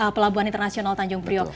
pelabuhan internasional tanjung priok